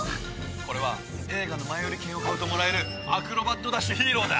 これは映画の前売券を買うともらえるアクロバットダッシュヒーローだ。